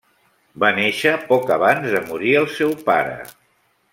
Va néixer poc abans de morir el seu pare.